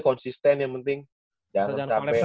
konsisten yang penting jangan capek